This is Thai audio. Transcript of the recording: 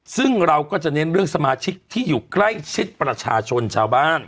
ซึ่งเราก็จะเน้นเรื่องสมาชิกที่อยู่ใกล้ชิดประชาชนชาวบ้าน